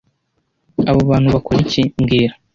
Abo bantu bakora iki mbwira